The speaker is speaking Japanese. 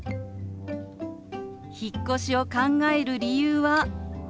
引っ越しを考える理由は皆さん